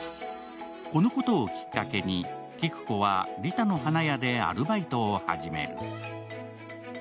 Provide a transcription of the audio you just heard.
このことをきっかけに、紀久子は李多の花屋でアルバイトを始める。